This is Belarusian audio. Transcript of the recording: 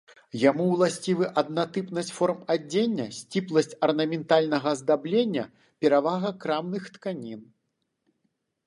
Яму ўласцівы аднатыпнасць форм адзення, сціпласць арнаментальнага аздаблення, перавага крамных тканін.